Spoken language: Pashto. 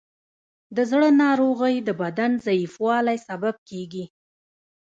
د زړه ناروغۍ د بدن ضعیفوالی سبب کېږي.